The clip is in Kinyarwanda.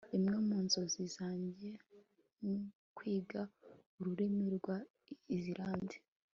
imwe mu nzozi zanjye nukwiga ururimi rwa islande